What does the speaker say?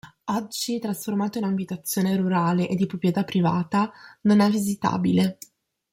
Oggi trasformato in abitazione rurale e di proprietà privata, non è visitabile.